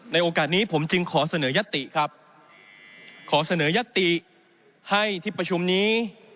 โอกาสนี้ผมจึงขอเสนอยัตติครับขอเสนอยัตติให้ที่ประชุมนี้